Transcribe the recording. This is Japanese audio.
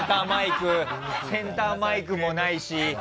センターマイクもないし。